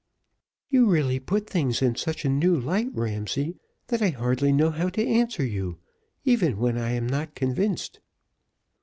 "You really put things in such a new light, Ramsay, that I hardly know how to answer you, even when I am not convinced."